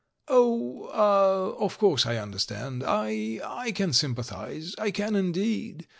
"Oh, ah, of course I understand; I — I can sym pathise, I can indeed.